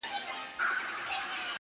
جهاني اوس دي په ژبه پوه سوم.!